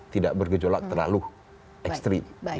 tidak bergejolak terlalu ekstrim